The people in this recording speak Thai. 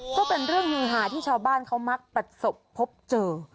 ก็เป็นเรื่องฮือหาที่ชาวบ้านเขามักประสบพบเจอ